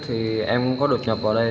thì em cũng có đột nhập vào đây